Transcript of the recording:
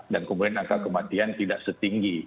dan kemudian angka kematian tidak setinggi